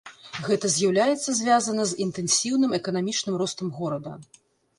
Гэта з'яўляецца звязана з інтэнсіўным эканамічным ростам горада.